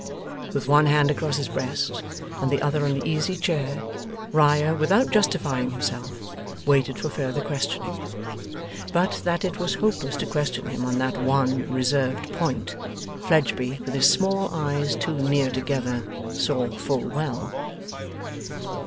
With one hand across his breast and the other on the easy chair, Riah, without justifying himself, waited for further questioning. But, that it was hopeless to question him on that one reserved point, Fledgeby, with his small eyes too near together, saw full well.